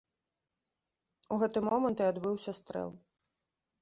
У гэты момант і адбыўся стрэл.